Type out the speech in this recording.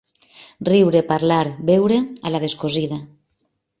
Riure, parlar, beure, a la descosida.